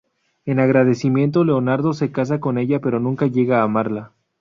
En agradecimiento Leonardo se casa con ella pero nunca llega a amarla.